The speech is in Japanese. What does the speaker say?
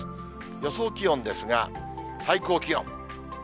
予想気温ですが、最高気温。